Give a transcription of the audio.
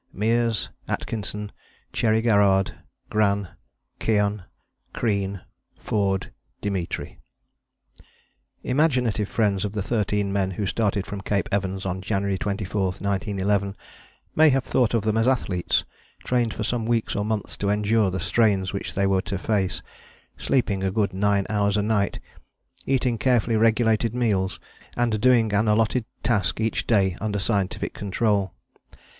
EVANS CHERRY GARRARD DIMITRI BOWERS GRAN OATES KEOHANE Imaginative friends of the thirteen men who started from Cape Evans on January 24, 1911, may have thought of them as athletes, trained for some weeks or months to endure the strains which they were to face, sleeping a good nine hours a night, eating carefully regulated meals and doing an allotted task each day under scientific control.